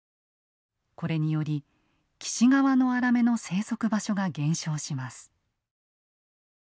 これにより岸側のアラメの生息場所が減少します。